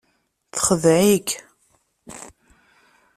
Texdeɛ-ik.